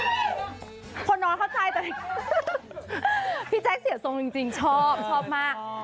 แล้วก็น่ารักนะคนนอนเข้าใจพี่แจ๊คเสียทรงจริงชอบชอบมาก